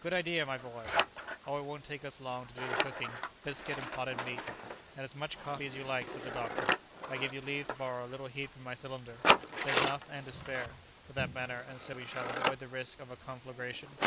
"Good idea, my boy!" "Oh! it won't take us long to do the cooking—biscuit and potted meat?" "And as much coffee as you like," said the doctor. "I give you leave to borrow a little heat from my cylinder. There's enough and to spare, for that matter, and so we shall avoid the risk of a conflagration."